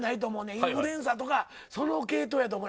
インフルエンサーやその系統だと思う。